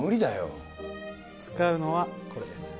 使うのはこれです。